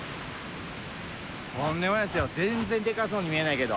とんでもないですよ全然でかそうに見えないけど。